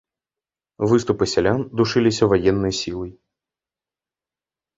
Выступы сялян душыліся ваеннай сілай.